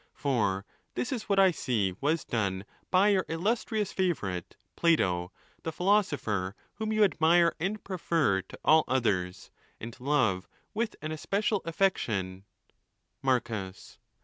Yor this is what I see was done by your illustrious favourite Plato, the philosopher whom you admire and prefer to all others, and love with an especial affection, Marcus.